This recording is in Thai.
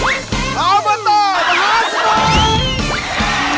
เอามาแต่ละห้าสมอง